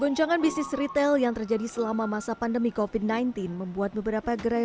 goncangan bisnis retail yang terjadi selama masa pandemi kofit sembilan belas membuat beberapa gerai